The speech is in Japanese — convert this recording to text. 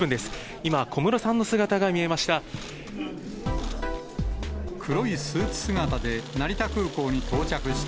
今、小室さんの姿が見えました。